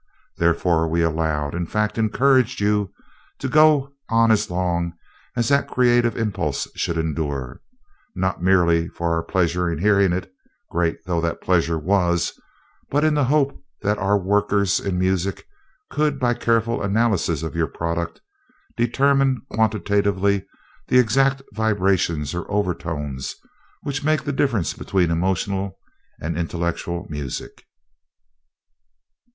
Therefore we allowed, in fact encouraged, you to go on as long as that creative impulse should endure not merely for our pleasure in hearing it, great though that pleasure was, but in the hope that our workers in music could, by a careful analysis of your product, determine quantitatively the exact vibrations or overtones which make the difference between emotional and intellectual music."